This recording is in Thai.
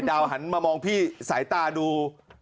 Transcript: หันมามองพี่สายตาดู